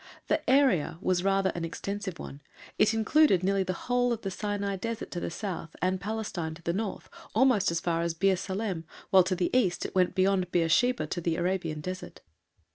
The "Area" was rather an extensive one; it included nearly the whole of the Sinai Desert to the south, and Palestine to the north, almost as far as Bir Salem, while to the east it went beyond Beersheba to the Arabian Desert.